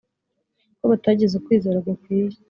ko batagize ukwizera gukwiye.